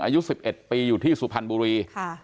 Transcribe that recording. อายุ๑๑ปีอยู่ที่สุพรรณบุรี